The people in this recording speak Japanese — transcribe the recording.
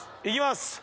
いきます。